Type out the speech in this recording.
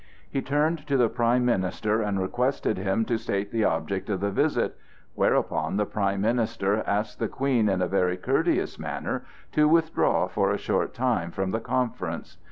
He turned to the prime minister and requested him to state the object of the visit, whereupon the prime minister asked the Queen in a very courteous manner to withdraw for a short time from the conference.